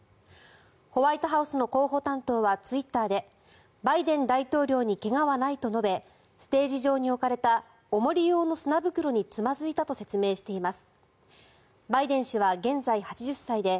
ホワイトハウスの広報担当はツイッターでバイデン大統領に怪我はないと述べステージ上に置かれた重り用の砂袋につまずいたと説明しています。